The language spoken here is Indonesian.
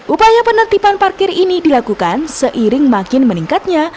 upaya penertiban parkir ini dilakukan seiring makin meningkatnya